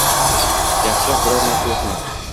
Yaxshiroq biror narsa yo’qmi?